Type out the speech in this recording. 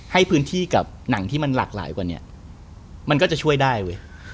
ให้พื้นที่กับหนังที่มันหลากหลายกว่านี้มันก็จะช่วยได้เว้ย